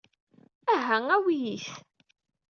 Aha, awey-it.